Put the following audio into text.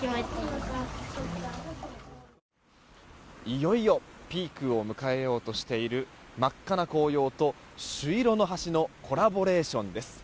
いよいよピークを迎えようとしている真っ赤な紅葉と朱色の橋のコラボレーションです。